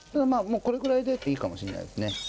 まぁもうこれくらいでいいかもしれないですね。